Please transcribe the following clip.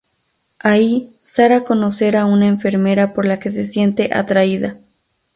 Ahí, Sara conocer a una enfermera por la que se siente atraída.